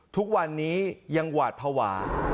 ทุกวันนี้ยังหวาดภาวะ